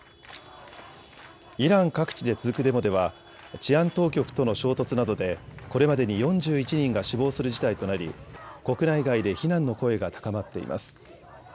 イラン各地で続くデモでは治安当局との衝突などでこれまでに４１人が死亡する事態となり国内外で非難の声が高まっています。